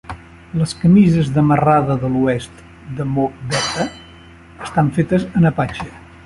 Les camises de marrada de l'oest de Mo Betta estan fetes en Apache.